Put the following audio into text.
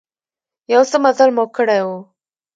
يو څه مزل مو کړى و.